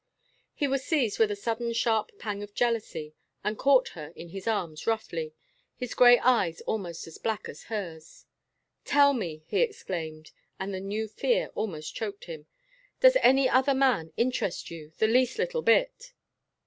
He was seized with a sudden sharp pang of jealousy and caught her in his arms roughly, his gray eyes almost as black as hers. "Tell me," he exclaimed, and the new fear almost choked him, "does any other man interest you the least little bit?"